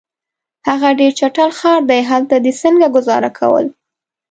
هغه ډېر چټل ښار دی، هلته دي څنګه ګذاره کول؟